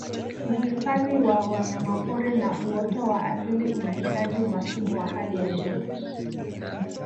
Uhifadhi wa wanyapori na uoto wa asili unahitaji umakini wa hali ya juu